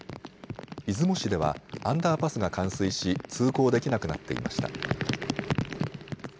出雲市ではアンダーパスが冠水し通行できなくなっていました。